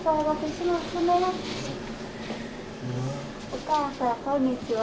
お母さんこんにちは。